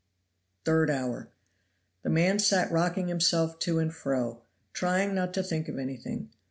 Third hour. The man sat rocking himself to and fro, trying not to think of anything.